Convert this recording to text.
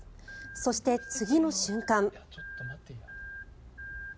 そして、次の瞬間。